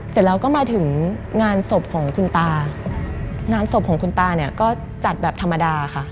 เสร็จแล้วก็มาถึงงานศพของคุณตางานศพของคุณตาเนี่ยก็จัดแบบธรรมดาค่ะ